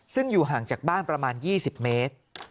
ซึ่งอยู่ห่างจากบ้านประมาณ๒๐เมตร